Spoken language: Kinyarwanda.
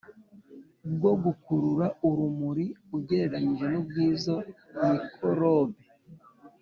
bwo gukurura urumuri ugereranyije n ubw izo mikorobe